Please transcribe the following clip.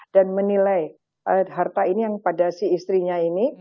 dan menilai harta ini yang pada si istrinya ini